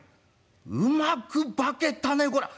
うまく化けたねこら。